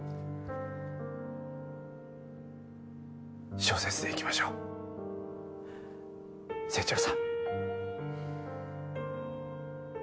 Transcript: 小説でいきましょう清張さん。